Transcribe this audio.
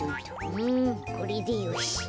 うんこれでよし。